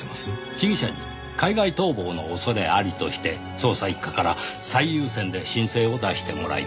被疑者に海外逃亡の恐れありとして捜査一課から最優先で申請を出してもらいます。